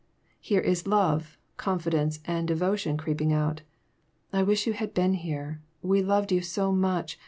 Here is love, confidence, and devotion creeping out. " I wish you had been here. We loved you so much.